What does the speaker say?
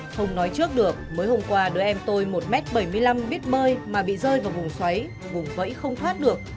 không nói trước được mới hôm qua đứa em tôi một m bảy mươi năm biết bơi mà bị rơi vào vùng xoáy vùng vẫy không thoát được